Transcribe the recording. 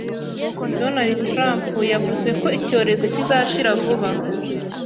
Donald Trump, yavuze ko icyorezo kizashira vuba